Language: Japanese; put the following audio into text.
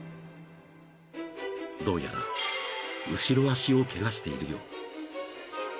［どうやら後ろ脚をケガしているよう］